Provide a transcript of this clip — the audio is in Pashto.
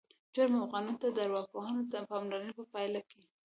جرم او قانون ته د ارواپوهانو د پاملرنې په پایله کې